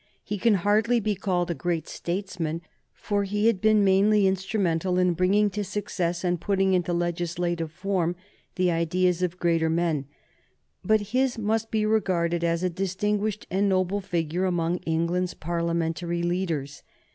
He can hardly be called a great statesman, for he had been mainly instrumental in bringing to success and putting into legislative form the ideas of greater men, but his must be regarded as a distinguished and noble figure among England's Parliamentary leaders.